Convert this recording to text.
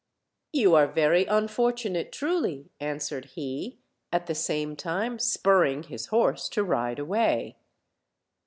3 "You are very unfortunate, truly," answered he, at the same time spurring his horse to ride away.